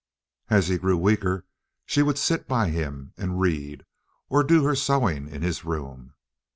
As he grew weaker she would sit by him and read, or do her sewing in his room.